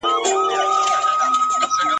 سمدستي سوله مېړه ته لاس ترغاړه !.